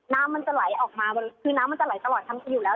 น้ำมันจะไหลออกมาคือน้ำมันจะไหลตลอดทั้งคืนอยู่แล้ว